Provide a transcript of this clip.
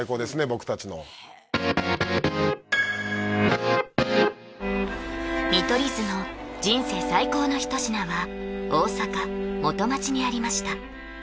僕たちの見取り図の人生最高の一品は大阪・元町にありました